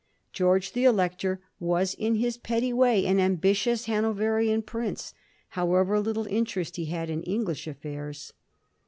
George the Elector was in his petty way an ambitious Hano verian prince, however little interest he had in English aflPairs.